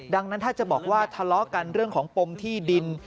ดังนั้นถ้าจะบอกว่าทะเลาะกันเรื่องของปมที่ดิน